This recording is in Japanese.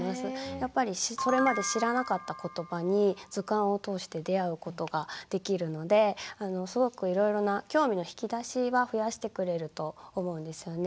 やっぱりそれまで知らなかったことばに図鑑をとおして出会うことができるのですごくいろいろな興味の引き出しは増やしてくれると思うんですよね。